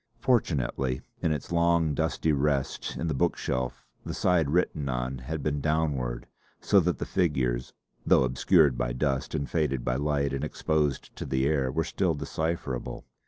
Fortunately, in its long dusty rest in the bookshelf the side written on had been downward so that the figures, though obscured by dust and faded by light and exposure to the air, were still decipherable.